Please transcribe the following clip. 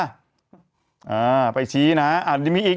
อ่าไปชี้นะอ่ามีอีกผมจะไปอีกภาพ